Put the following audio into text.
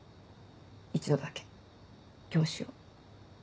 一度だけ教師を。